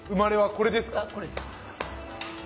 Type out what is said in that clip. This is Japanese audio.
これです。